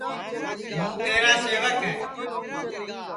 ہوں تیرا سیوک ہے